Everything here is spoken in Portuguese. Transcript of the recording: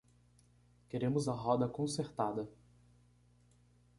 Queremos a roda consertada.